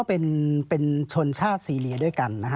ปีอาทิตย์ห้ามีสปีอาทิตย์ห้ามีส